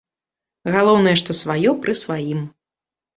Галоўнае, што сваё пры сваім.